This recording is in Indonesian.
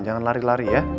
jangan lari lari ya